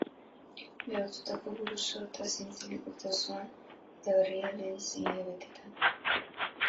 Lehortutako buru-sorta zintzilik urte osoan, eta berria lehen sei hilabeteetan.